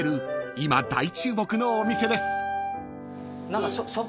今大注目のお店です］